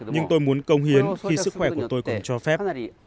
nhưng tôi muốn công hiến khi sức khỏe của tôi còn cho phép